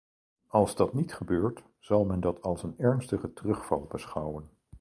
Als dat niet gebeurt, zal men dat als een ernstige terugval beschouwen.